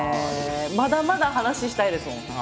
まだまだ話したいですもん何か。